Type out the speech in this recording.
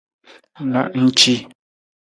Na ng ci.